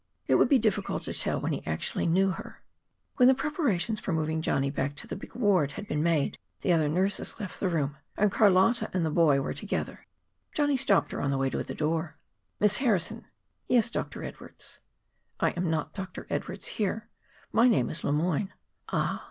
It would be difficult to tell when he actually knew her. When the preparations for moving Johnny back to the big ward had been made, the other nurses left the room, and Carlotta and the boy were together. K. stopped her on her way to the door. "Miss Harrison!" "Yes, Dr. Edwardes." "I am not Dr. Edwardes here; my name is Le Moyne." "Ah!"